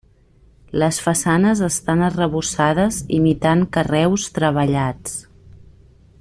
Les façanes estan arrebossades imitant carreus treballats.